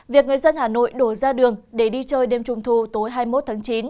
việc người dân hà nội đổ ra đường để đi chơi đêm trung thu tối hai mươi một tháng chín